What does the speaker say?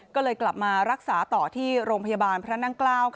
ก็เลยกลับมารักษาต่อที่โรงพยาบาลพระนั่งเกล้า